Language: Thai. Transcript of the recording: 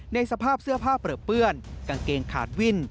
ในสภาพเสื้อผ้าเปลือเปื้อนกางเกงขาดวิ่น